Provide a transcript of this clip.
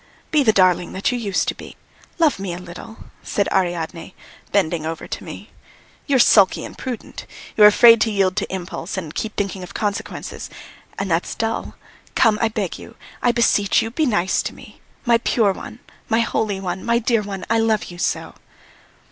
"Be the darling that you used to be; love me a little," said Ariadne, bending over to me. "You're sulky and prudent, you're afraid to yield to impulse, and keep thinking of consequences, and that's dull. Come, I beg you, I beseech you, be nice to me! ... My pure one, my holy one, my dear one, I love you so!"